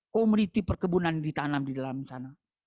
komuniti perkebunan ditanam di dalam sana